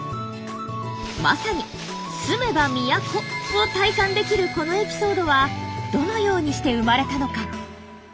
まさに「住めば都」を体感できるこのエピソードはどのようにして生まれたのか。